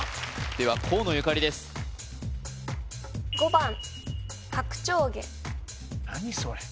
では河野ゆかりです・何それ？